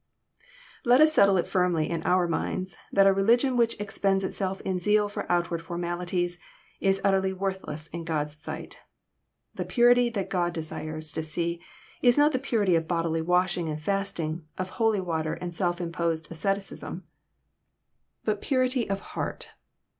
Let us settle it firmly in our minds that a religion which expends itself in zeal for outward formalities la utterless worthless in God's sight. The purity that God desires to see is not the purity of bodily washing and fasting, of holy water and self imposed asceticism, but JOHN, CHAP. XI. 295 parity of heart.